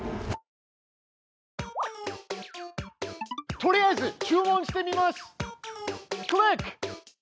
とりあえず注文してみます！クリック！